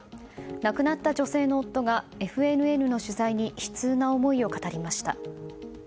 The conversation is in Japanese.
亡くなった女性の夫がＦＮＮの取材に悲痛な思いを語りました。